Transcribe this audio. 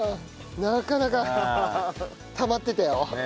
なかなかたまってたよ。